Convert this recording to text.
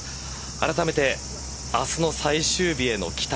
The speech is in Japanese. あらためて明日の最終日への期待